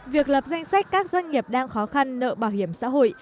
việc lập danh sách các doanh nghiệp đang khó khăn nợ bảo hiểm xã hội